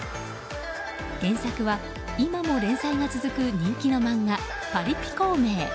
原作は今も連載が続く人気の漫画「パリピ孔明」。